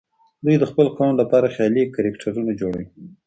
دوی د خپل قوم لپاره خيالي کرکټرونه جوړوي.